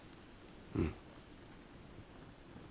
うん。